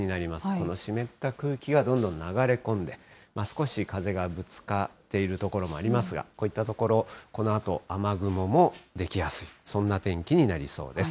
この湿った空気がどんどん流れ込んで、少し風がぶつかっている所もありますが、こういった所、このあと雨雲も出来やすい、そんな天気になりそうです。